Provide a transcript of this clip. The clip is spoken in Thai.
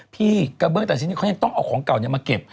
พี่กระเบื้องแต่ละชนิดเขายังต้องเอาของเก่ามาเก็บ